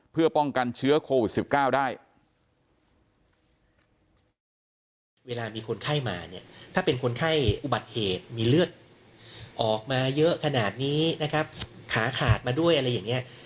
เพื่อป้องกันเชื้อโควิด๑๙ได้